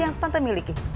yang tante miliki